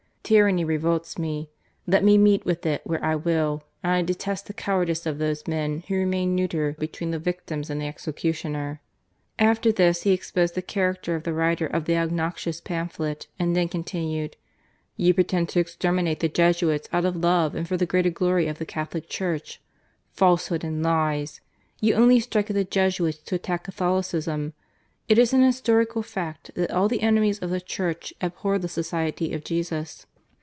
Tyranny revolts me, let me meet with it where I will, and I detest the cowardice of those men who remain neuter between the victims and the execu tioner." After this, he exposed the character of the writer of the obnoxious pamphlet and then continued :^* You pretend to exterminate the Jesuits out of love and for the greater glory of the Catholic Church. Falsehood and lies ! You only strike at the Jesuits to attack Catholicism. It is an historical fact that all the enemies of the Church abhor the Society of Jesus.